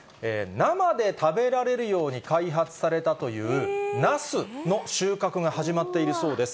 生で食べられるように開発されたというナスの収穫が始まっているそうです。